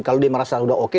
kalau dia merasa sudah oke